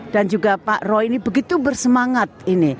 dan juga pak roy ini begitu bersemangat ini